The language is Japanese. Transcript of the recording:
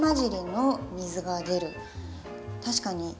確かに。